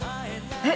えっ？